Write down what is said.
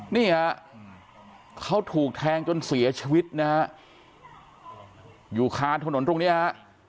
นี่ฮะเขาถูกแทงจนเสียชีวิตนะฮะอยู่คานถนนตรงเนี้ยฮะ